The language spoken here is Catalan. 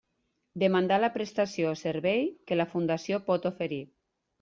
Demandar la prestació o servei que la Fundació pot oferir.